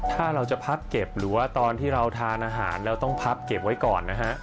ถ้าเราจะพับเก็บหรือว่าตอนที่เราทานอาหารเราต้องพับเก็บไว้ก่อนนะฮะ